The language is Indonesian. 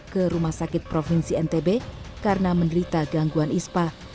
ke rumah sakit provinsi ntb karena menderita gangguan ispa